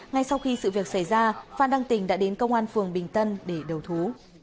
ngay sau khi sự việc xảy ra phan đăng tình đã đến công an phường bình tân để đầu thú